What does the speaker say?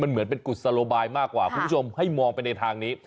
เหมือนเป็นกุศโลบายมากกว่าคุณผู้ชมให้มองไปในทางนี้